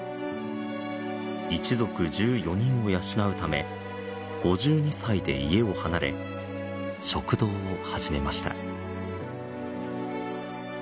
一族１４人を養うため５２歳で家を離れ食堂を始めました。